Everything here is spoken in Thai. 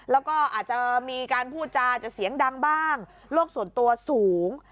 แล้วก็อาจจะมีการพูดจาจะเสียงดังบ้างโลกส่วนตัวสูง